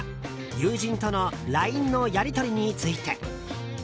友人とのＬＩＮＥのやり取りについて。